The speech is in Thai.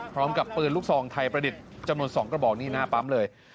พร้อมกับปืนลูกซองไทยประดิษฐ์จำนวน๒กระบอกนี่หน้าปั๊มเลย